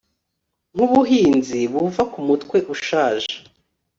Nkubuhunzi buva kumutwe ushaje